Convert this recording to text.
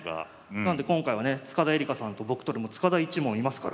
なので今回はね塚田恵梨花さんと僕とでもう塚田一門いますから。